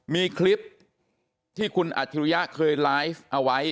มีคลิปที่คุณอัจฉริยะเคยไลฟ์เอาไว้